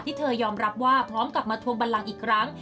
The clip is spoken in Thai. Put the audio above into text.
เธอยอมรับว่าพร้อมกลับมาทวงบันลังอีกครั้ง